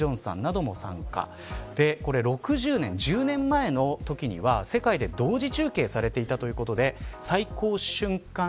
１０年前のときには世界で同時中継されていたということで最高瞬間